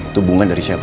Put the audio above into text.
itu bunga dari siapa